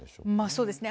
そうですね。